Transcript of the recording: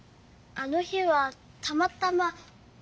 あの日はたまたま。